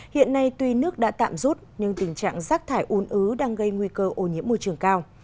hiện nay tuy nước đã tạm rút nhưng tình trạng rác thải uốn ứ đang gây nguy cơ ô nhiễm môi trường cao